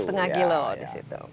setengah kilo disitu